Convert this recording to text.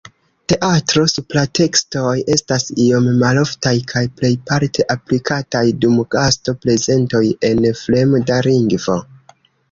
Teatro-supratekstoj estas iom maloftaj kaj plejparte aplikataj dum gasto-prezentoj en fremda lingvo.